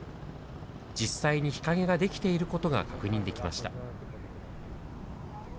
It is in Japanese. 実際に日陰が出来ていることが確認できました。